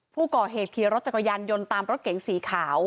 ผู้ก่อเหตุขี่รถจักรยานยนต์ตามรถเก๋งสีขาว